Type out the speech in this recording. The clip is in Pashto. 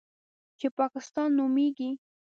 چې پاکستان نومېږي.